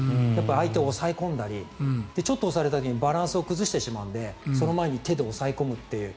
相手を押さえ込んだりちょっと押された時にバランスを崩してしまうのでその前に手で抑え込むっていう。